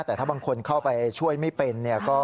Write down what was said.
แต่ถ้าบางคนเข้าไปช่วยไม่เป็น